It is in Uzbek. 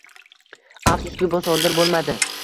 Afsuski, bu sodir bo'lmadi